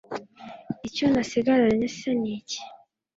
icyo nasigaranye se ni iki